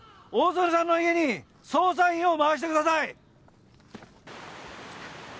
大曾根さんの家に捜査員を回してください。